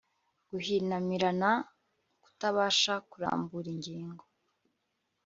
guhinamirana kutabasha kurambura ingingo